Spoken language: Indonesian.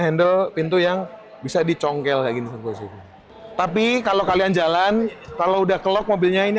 handle pintu yang bisa dicongkel kayak gitu sih tapi kalau kalian jalan kalau udah kelok mobilnya ini